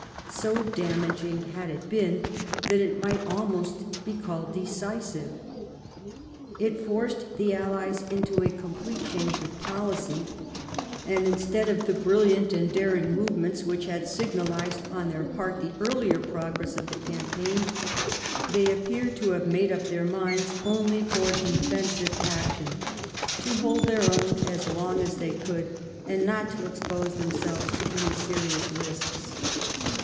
So damaging had it been that it might almost be called decisive. It forced the Allies into a complete change of poUcy, and instead of the brilliant and daring movements which had signalised on their part the earlier progress of the campaign, they appear to have made up their minds only for 30 THE REIGN OF QUEEN ANNE. oh. xxn. defensive action — to hold their own as long as they could, and not to expose themselves to any serious risks.